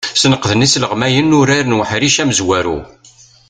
Sneqden yisleɣmayen urar n uḥric amezwaru.